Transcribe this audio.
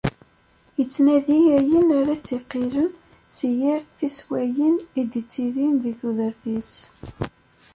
Ittnadi ayen ara t-iqilen si yir teswayin i d-ittilin di tudert-is.